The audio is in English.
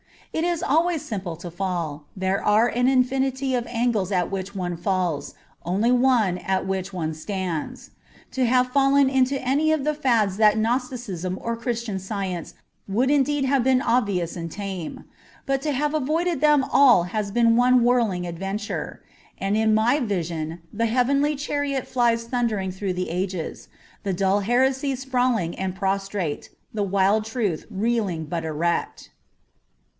It is always simple to fall ; there are an infinity of angles at which one falls : only one at which one stands. To have fallen into any one of the fads from Gnosticism to Christian Science would indeed have been obvious and tame. But to have avoided them all has been one whirling adventure ; and in my vision the heavenly chariot flies thundering through the ages, the dull heresies sprawling and prostrate, the wild truth reeling but erect.